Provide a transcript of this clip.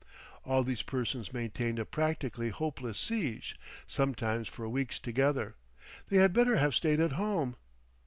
All these persons maintained a practically hopeless siege—sometimes for weeks together; they had better have stayed at home.